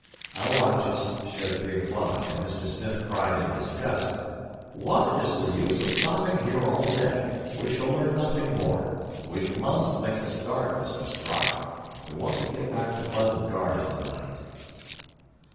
Our watches showed three o'clock, and Mr. Smith cried in disgust, "What is the use of stopping here all day! We shall learn nothing more. We must make a start, Mr. Strock, if we want to get back to Pleasant Garden to night."